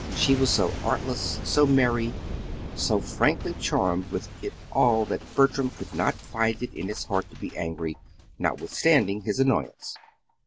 She was so artless, so merry, so frankly charmed with it all that Bertram could not find it in his heart to be angry, notwithstanding his annoyance.